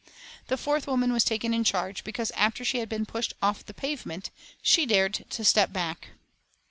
The fourth woman was taken in charge, because after she had been pushed off the pavement, she dared to step back.